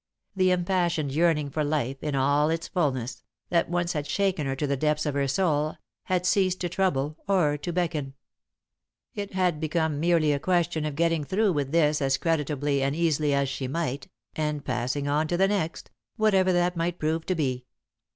The impassioned yearning for life, in all its fulness, that once had shaken her to the depths of her soul, had ceased to trouble or to beckon. It had become merely a question of getting through with this as creditably and easily as she might, and passing on to the next, whatever that might prove to be.